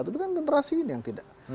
tapi kan generasi ini yang tidak